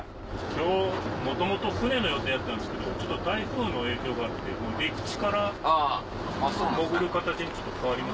今日もともと船の予定だったんですけどちょっと台風の影響があって陸地から潜る形に変わりました。